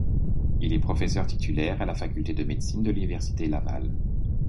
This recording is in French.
Il est professeur titulaire à la faculté de médecine de l'Université Laval.